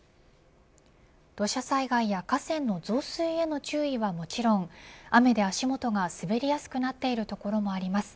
土砂災害や河川の増水への注意はもちろん雨で足元が滑りやすくなっている所もあります。